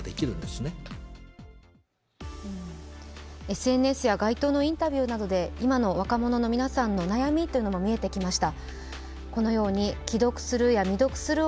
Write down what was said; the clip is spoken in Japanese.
ＳＮＳや街頭のインタビューなどで今の若者の皆さんの悩みというのも見えてきました。